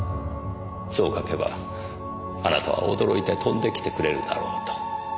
そう書けばあなたは驚いて飛んできてくれるだろうと。